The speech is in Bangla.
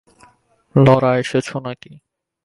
লরা, এসেছো নাকি?